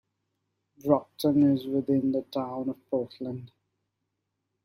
Brocton is within the town of Portland.